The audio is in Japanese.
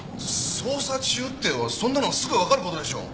捜査中ってそんなのはすぐわかる事でしょ？